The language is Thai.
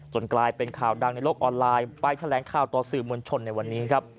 กลายเป็นข่าวดังในโลกออนไลน์ไปแถลงข่าวต่อสื่อมวลชนในวันนี้ครับ